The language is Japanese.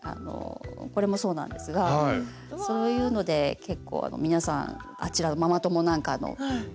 これもそうなんですがそういうので結構皆さんあちらのママ友なんかに気に入って頂いてはい。